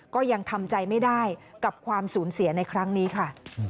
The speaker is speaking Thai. ก็ยังทำใจไม่ได้กับความสูญเสียในครั้งนี้ค่ะ